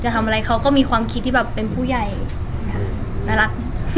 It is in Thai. ทำอะไรเขาก็มีความคิดที่แบบเป็นผู้ใหญ่น่ารัก